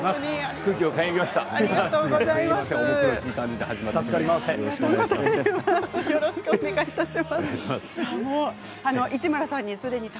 空気を変えに来ました。